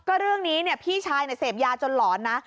ก็เรื่องนี้เนี่ยพี่ชายเนี่ยเสพยาจนหลอนนะ